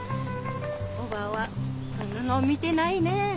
おばぁはそんなの見てないねぇ。